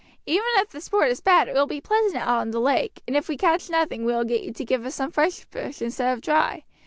Even if the sport is bad it will be pleasant out on the lake, and if we catch nothing we will get you to give us some fresh fish instead of dry.